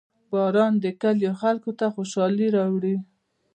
• باران د کلیو خلکو ته خوشحالي راوړي.